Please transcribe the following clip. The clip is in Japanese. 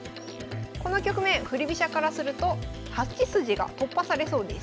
この局面振り飛車からすると８筋が突破されそうです。